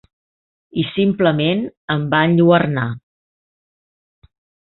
I simplement em va enlluernar.